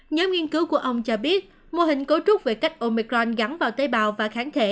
nhóm nghiên cứu của ông cho biết mô hình cấu trúc về cách omicron gắn vào tế bào và kháng thể